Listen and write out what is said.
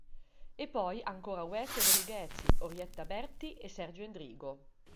E poi ancora Wess e Dori Ghezzi, Orietta Berti e Sergio Endrigo.